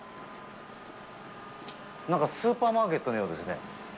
なんか、スーパーマーケットのようですね。